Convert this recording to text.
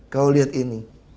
kalau lihat ini